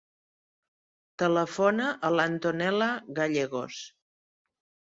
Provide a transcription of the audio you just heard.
Telefona a l'Antonella Gallegos.